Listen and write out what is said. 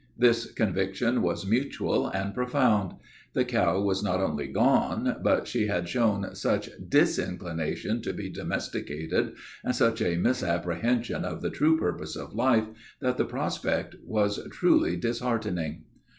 This conviction was mutual and profound. The cow was not only gone, but she had shown such disinclination to be domesticated, and such a misapprehension of the true purpose of life, that the prospect was truly disheartening.